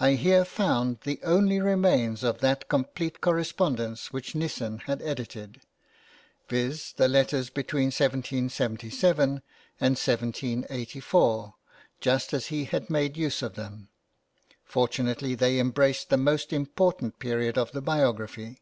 I here found the only remains of that complete correspondence which Nissen had edited, viz., the letters between 1777 and 1784, just as he had made use of them; fortunately they embraced the most important period of the biography.